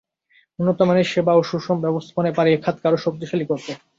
উন্নত মানের সেবা ও সুষম ব্যবস্থাপনাই পারে এ খাতকে আরও শক্তিশালী করতে।